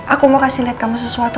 aku mau kasih lihat kamu sesuatu